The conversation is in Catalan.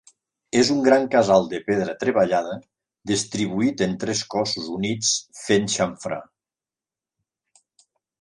És un gran casal de pedra treballada, distribuït en tres cossos units fent xamfrà.